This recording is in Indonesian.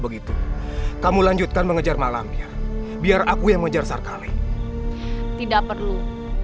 begitu kamu lanjutkan mengejar malamnya biar aku yang mengejar sarkali tidak perlu